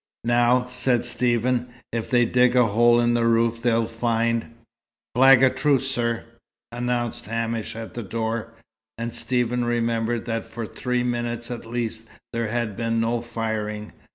"Now," said Stephen, "if they dig a hole in the roof they'll find " "Flag o' truce, sir," announced Hamish at the door. And Stephen remembered that for three minutes at least there had been no firing.